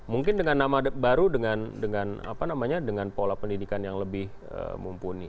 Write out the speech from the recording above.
mungkin dengan nama baru dengan pola pendidikan yang lebih mumpuni